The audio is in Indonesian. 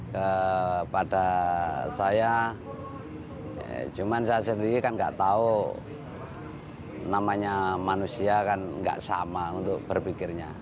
kepada saya cuma saya sendiri kan nggak tahu namanya manusia kan nggak sama untuk berpikirnya